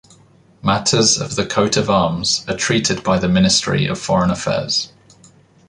Matters of the coat of arms are treated by the Ministry of Foreign Affairs.